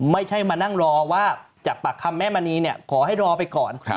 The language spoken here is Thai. ไม่ใช่มานั่งรอว่าจากปากคำแม่มณีเนี่ยขอให้รอไปก่อน